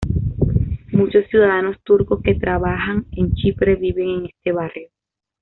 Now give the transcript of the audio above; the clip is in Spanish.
Muchos ciudadanos turcos que trabajan en Chipre viven en este barrio.